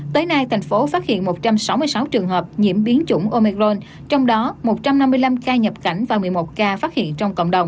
tới nay thành phố phát hiện một trăm sáu mươi sáu trường hợp nhiễm biến chủng omiron trong đó một trăm năm mươi năm ca nhập cảnh và một mươi một ca phát hiện trong cộng đồng